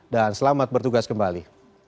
dan selamat bertugas kembali